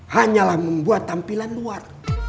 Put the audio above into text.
hanyalah membuat tampilan luar